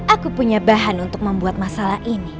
aku punya bahan untuk membuat masalah ini